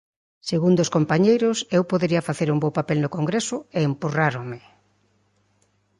Segundo os compañeiros, eu podería facer un bo papel no Congreso e empurráronme.